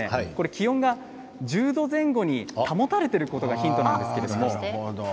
気温が１０度前後に保たれていることがヒントなんですけれど。